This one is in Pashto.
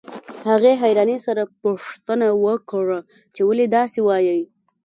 هغې حيرانۍ سره پوښتنه وکړه چې ولې داسې وايئ.